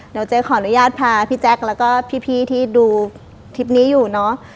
เดี๋ยวเจ๊ขออนุญาตพาพี่แจ๊คแล้วก็พี่ที่ดูคลิปนี้อยู่เนอะ